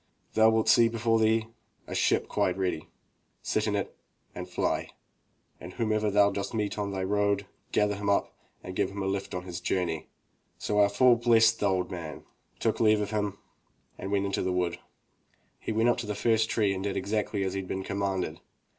Thou wilt see before thee a ship quite ready. Sit in it and fly, and whomsoever thou dost meet on the road, gather him up and give him a hft on his journey." So our fool blessed the old man, took leave of him, and went into the wood. He went up to the first tree and did exactly as he had been commanded.